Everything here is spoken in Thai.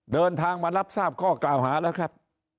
เดินทางมารับทราบข้อกล่าวหาแล้วครับ